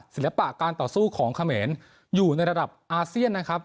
ศิลปะการต่อสู้ของเขมรอยู่ในระดับอาเซียนนะครับ